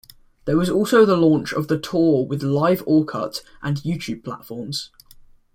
There was also the launch of the tour with Live Orkut and YouTube platforms.